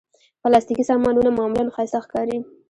پلاستيکي سامانونه معمولا ښايسته ښکاري.